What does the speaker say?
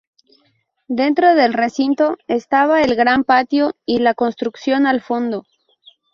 Dentro del recinto estaba el gran patio y la construcción al fondo.